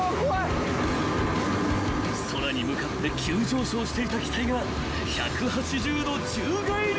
［空に向かって急上昇していた機体が１８０度宙返り］